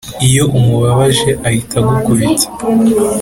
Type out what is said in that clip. Iyo umubabaje ahita agukubita